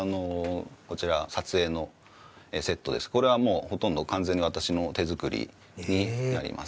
こちらこれはもうほとんど完全に私の手作りになります。